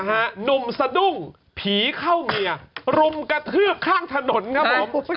หนุ่มสะดุ้งผีเข้าเมียรุมกระทืบข้างถนนครับผม